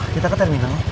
kita ke terminal bu